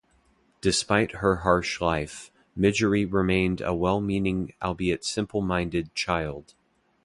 Despite her harsh life, Miggery remained a well-meaning albeit simple-minded child.